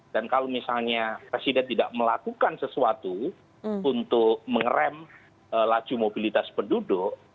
dan kalau misalnya presiden tidak melakukan sesuatu untuk mengerem laju mobilitas penduduk